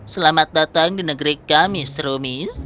selamat datang di negeri kami serumis